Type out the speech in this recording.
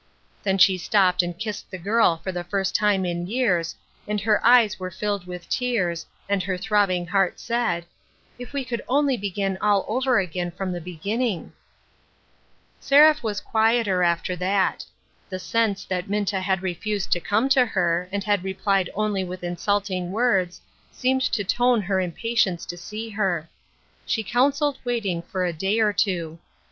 Then she stooped and kissed the girl for the first time in years, and her eyes were filled with tears, and her throbbing heart said, " If we could only begin all over again from the beginning !" Seraph was quieter after that. The sense that Minta had refused to come to her, and had replied only with insulting words, seemed to tone her im patience to see her. She counselled waiting for a day or two.